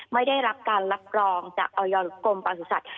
ไม่ได้รับการรับรองจากออยกรมประสุทธิ